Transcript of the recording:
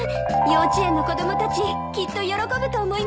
幼稚園の子供たちきっと喜ぶと思います。